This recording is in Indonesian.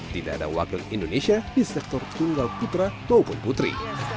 tidak ada wakil indonesia di sektor tunggal putra maupun putri